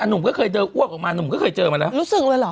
อ่ะหนุ่มก็เคยเจออ้วกออกมาหนุ่มก็เคยเจอมาแล้วรู้สึกอะไรเหรอค่ะ